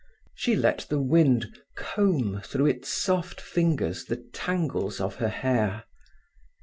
She let the wind comb through its soft fingers the tangles of her hair.